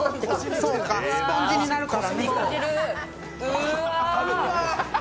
そうか、スポンジになるから。